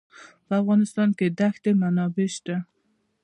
په افغانستان کې د ښتې منابع شته.